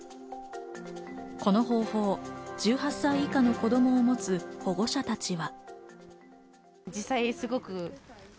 この方法を１８歳以下の子供をもつ保護者たちは。